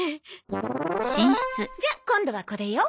じゃあ今度はこれよ。